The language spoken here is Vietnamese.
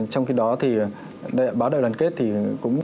trong khi đó thì báo đại đoàn kết thì cũng